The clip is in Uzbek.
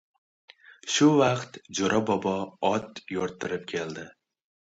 Shu vaqt, Jo‘ra bobo ot yo‘rttirib keldi.